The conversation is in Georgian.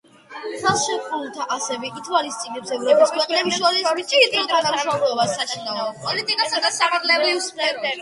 ხელშეკრულება ასევე ითვალისწინებს ევროპის ქვეყნებს შორის მჭიდრო თანამშრომლობას საშინაო პოლიტიკასა და სამართლებრივ სფეროში.